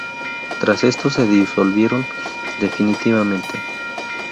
Tras esto se disolvieron definitivamente.